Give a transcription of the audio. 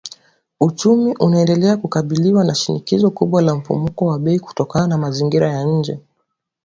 Uchumi unaendelea kukabiliwa na shinikizo kubwa la mfumuko wa bei kutokana na mazingira ya nje